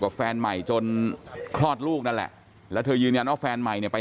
แฟนใหม่จนคลอดลูกนั่นแหละแล้วเธอยืนยันว่าแฟนใหม่เนี่ยไป